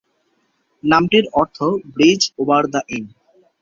নামটির অর্থ "bridge over the in".